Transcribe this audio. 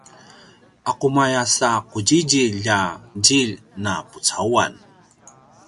aqumaya sa qudjidjilj a djilj na pucauan?